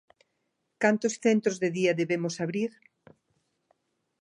Cantos centros de día debemos abrir?